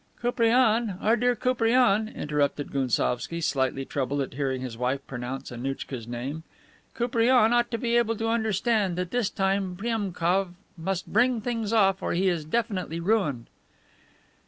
"Koupriane, our dear Koupriane," interrupted Gounsovski, slightly troubled at hearing his wife pronounce Annouchka's name, "Koupriane ought to be able to understand that this time Priemkof must bring things off, or he is definitely ruined."